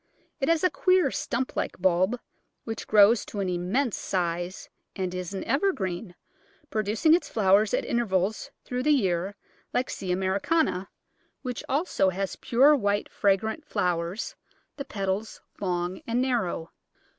It has a queer stump like bulb which grows to an immense size, and is an evergreen, producing its flowers at in tervals through the year like C. Americana, which has also pure white, fragrant flowers, the petals long and narrow.